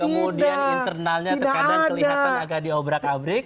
kemudian internalnya terkadang kelihatan agak diobrak abrik